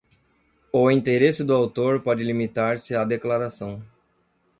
O interesse do autor pode limitar-se à declaração: